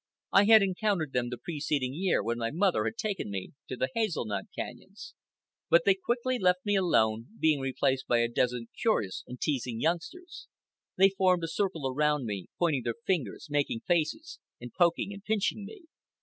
I had encountered them the preceding year when my mother had taken me to the hazelnut canyons. But they quickly left me alone, being replaced by a dozen curious and teasing youngsters. They formed a circle around me, pointing their fingers, making faces, and poking and pinching me.